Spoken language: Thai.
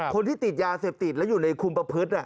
คนที่ติดยาเสพติดและอยู่ในคุมประพฤติ